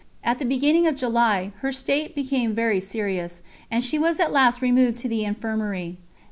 At the beginning of July, her state became very serious, and she was at last removed to the Infirmary.